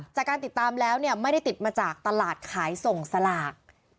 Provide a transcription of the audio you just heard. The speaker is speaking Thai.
จากการติดตามแล้วเนี่ยไม่ได้ติดมาจากตลาดขายส่งสลาก